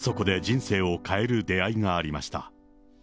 そこで人生を変える出会いがありました。